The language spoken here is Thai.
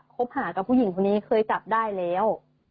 คบหากับผู้หญิงคนนี้เคยจับได้แล้ว